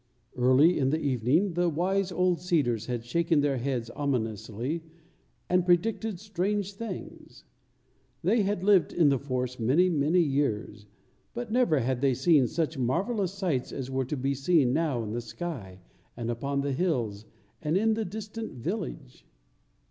Early in the evening the wise old cedars had shaken their heads ominously and predicted strange things. They had lived in the forest many, many years; but never had they seen such marvellous sights as were to be seen now in the sky, and upon the hills, and in the distant village.